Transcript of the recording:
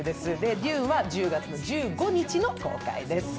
「ＤＵＮＥ」は１０月１５日の公開です。